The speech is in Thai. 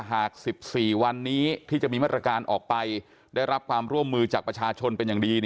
หาก๑๔วันนี้ที่จะมีมาตรการออกไปได้รับความร่วมมือจากประชาชนเป็นอย่างดี